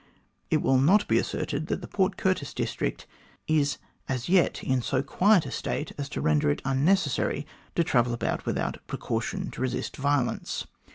It will not be asserted that the Port Curtis district is as yet in so quiet a state as to render it unnecessary to travel about without precaution to resist violence.